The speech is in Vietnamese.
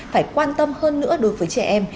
phải quan tâm hơn nữa đối với trẻ em